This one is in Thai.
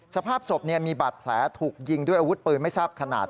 สภาพศพมีบาดแผลถูกยิงด้วยอาวุธปืนไม่ทราบขนาด